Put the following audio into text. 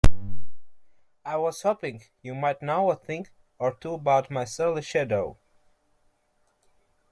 I was hoping you might know a thing or two about my surly shadow?